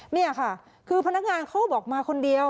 นี่ค่ะคือพนักงานเขาบอกมาคนเดียว